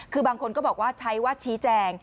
คือบางคนก็บอกว่าใช้ว่าชี้แจง